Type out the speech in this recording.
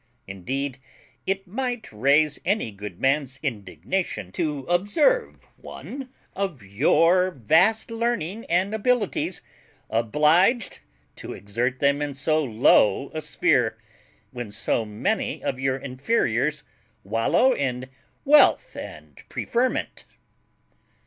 Indeed, it might raise any good man's indignation to observe one of your vast learning and abilities obliged to exert them in so low a sphere, when so many of your inferiors wallow in wealth and preferment.